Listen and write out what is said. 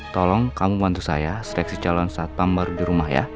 tolong kamu bantu saya seleksi calon satpam baru di rumah ya